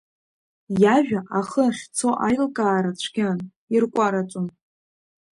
Иажәа ахы ахьцо аилкаара цәгьан, иркәараҵон.